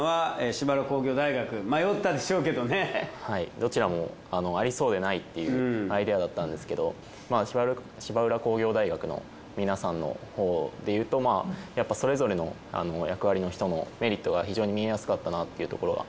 どちらもありそうでないっていうアイデアだったんですけど芝浦工業大学の皆さんのほうでいうとそれぞれの役割の人のメリットが非常に見えやすかったなっていうところが。